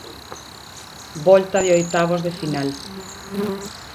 Volta de oitavos de final.